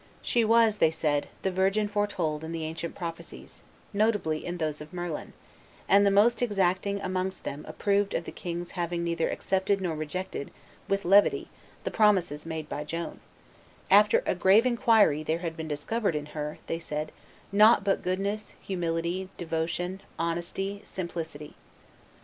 She was, they said, the virgin foretold in the ancient prophecies, notably in those of Merlin; and the most exacting amongst them approved of the king's having neither accepted nor rejected, with levity, the promises made by Joan; "after a grave inquiry there had been discovered in her," they said, "nought but goodness, humility, devotion, honesty, simplicity.